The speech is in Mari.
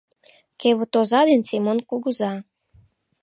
Кевыт оза ден Семон кугыза.